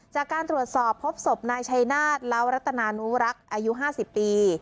จากการตรวจสอบพบศพนายชัยนาฏเล้ารัตนานุรักษ์อายุ๕๐ปี